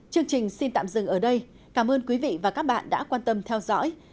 chương trình xin tạm dừng ở đây cảm ơn quý vị và các bạn đã quan tâm theo dõi